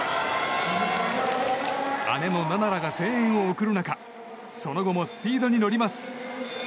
姉の菜那らが声援を送る中その後もスピードに乗ります。